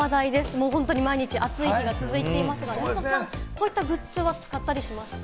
もう本当に毎日暑い日が続いていますが、山里さん、こういうグッズは使ったりしますか？